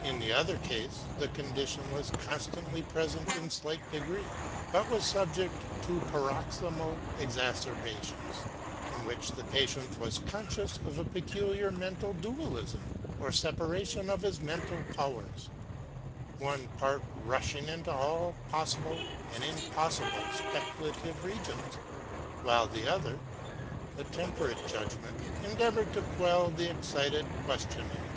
In the other case the condition was constantly present in slight degree, but was subject to paroxysmal exacerbations, in which the patient was conscious of a peculiar mental dualism or separa tion of his mental powers ; one part rushing into all possible and impossible speculative regions, while the other, the temperate judgment, endeavoured to quell the excited questioning.